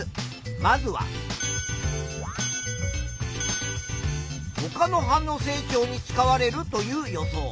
まずはほかの葉の成長に使われるという予想。